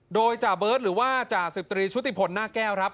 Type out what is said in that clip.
โดยจ่าเบิร์ตหรือว่าจ่าสิบตรีชุติพลหน้าแก้วครับ